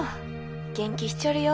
元気しちょるよ。